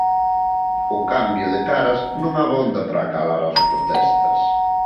O cambio de caras non abonda para acalar as protestas.